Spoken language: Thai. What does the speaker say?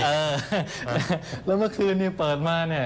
เออแล้วเมื่อคืนนี้เปิดมาเนี่ย